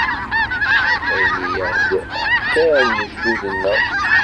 Ayen i aɣ-d-ḥkan lejdud-nneɣ.